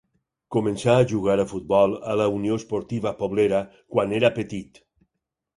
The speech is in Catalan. Començà a jugar a futbol a la Unió Esportiva Poblera quan era petit.